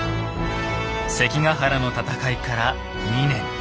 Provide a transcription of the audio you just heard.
関ヶ原の戦いから２年。